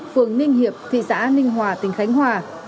phường ninh hiệp thị xã ninh hòa tỉnh khánh hòa